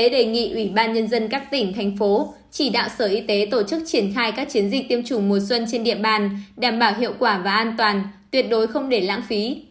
đề nghị ủy ban nhân dân các tỉnh thành phố chỉ đạo sở y tế tổ chức triển khai các chiến dịch tiêm chủng mùa xuân trên địa bàn đảm bảo hiệu quả và an toàn tuyệt đối không để lãng phí